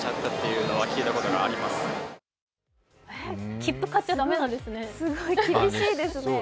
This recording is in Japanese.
切符買っちゃ駄目なんですね、厳しいですね。